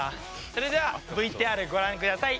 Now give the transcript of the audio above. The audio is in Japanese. それではＶＴＲご覧下さい。